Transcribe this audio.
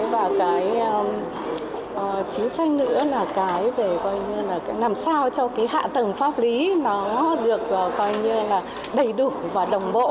và chính sách nữa là làm sao cho hạ tầng pháp lý được đầy đủ và đồng bộ